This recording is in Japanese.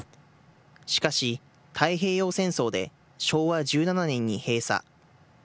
しかし、太平洋戦争で昭和１７年に閉鎖。